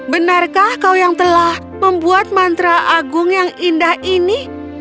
benarkah kau yang telah membuat mantra agung yang indah ini